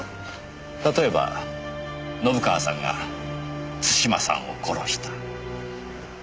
例えば信川さんが津島さんを殺した。